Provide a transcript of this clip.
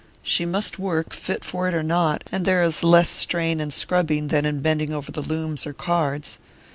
"She must work, fit for it or not; and there is less strain in scrubbing than in bending over the looms or cards.